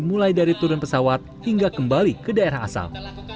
mulai dari turun pesawat hingga kembali ke daerah asal